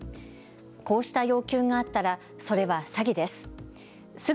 こうした要求があったらそれは詐欺です。